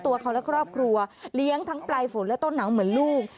ตัวเขาและครอบครัวเลี้ยงทั้งปลายฝนและต้นหนังเหมือนลูก